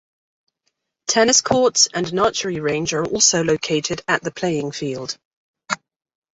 Tennis courts and an archery range are also located at the playing field.